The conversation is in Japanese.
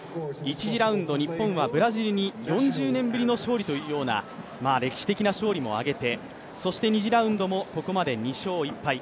１次ラウンド、日本はブラジルに４０年ぶりの勝利というような歴史的な勝利も挙げてそして２次ラウンドもここまで２勝１敗。